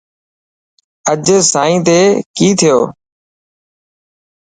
اڄ سائن تي ڪي ٿيو.